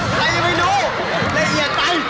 ใครจะไม่รู้ละเอียดใจ